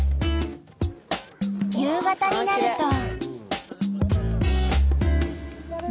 夕方になると。